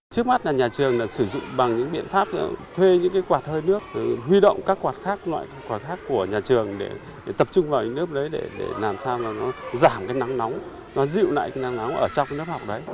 trước mắt là nhà trường sử dụng bằng những biện pháp thuê những quạt hơi nước huy động các quạt khác loại quạt khác của nhà trường để tập trung vào những lớp đấy để làm sao nó giảm cái nắng nóng nó dịu lại cái nắng nóng ở trong lớp học đấy